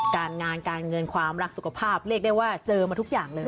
การงานการเงินความรักสุขภาพเรียกได้ว่าเจอมาทุกอย่างเลย